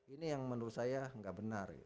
ini yang menurut saya nggak benar